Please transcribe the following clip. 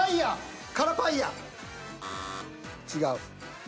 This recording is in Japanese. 違う。